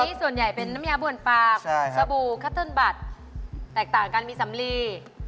นี่ส่วนใหญ่เป็นน้ำยาบวนปากสบู่คัตเติ้ลบัตรแตกต่างกันมีสำลี